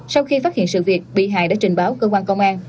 sau khi phát hiện sự việc bị hại đã trình báo cơ quan công an